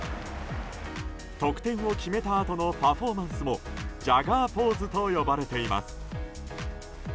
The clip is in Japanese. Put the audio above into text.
得点を決めたあとのパフォーマンスもジャガーポーズと呼ばれています。